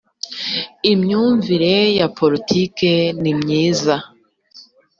imyumvire ya poritiki nimyiza